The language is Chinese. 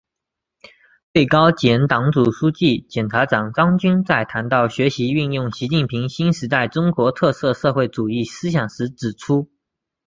最高检党组书记、检察长张军在谈到学习运用习近平新时代中国特色社会主义思想时指出